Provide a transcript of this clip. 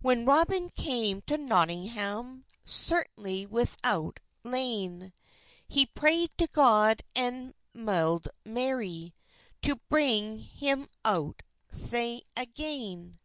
Whan Robyn came to Notyngham, Sertenly withoutene layne, He prayed to God and myld Mary To brynge hym out saue agayne.